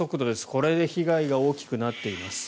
これで被害が大きくなっています。